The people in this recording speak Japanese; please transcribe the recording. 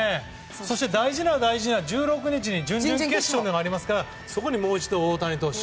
そして大事な大事な１６日に準々決勝がありますからそこにもう一度大谷投手。